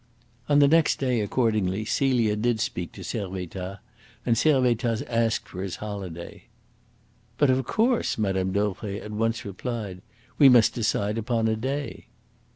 On the next day accordingly Celia did speak to Servettaz, and Servettaz asked for his holiday. "But of course," Mme. Dauvray at once replied. "We must decide upon a day."